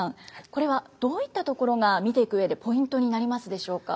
これはどういったところが見ていく上でポイントになりますでしょうか？